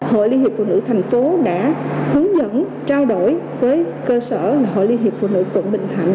hội liên hiệp phụ nữ tp hcm đã hướng dẫn trao đổi với cơ sở hội liên hiệp phụ nữ tp hcm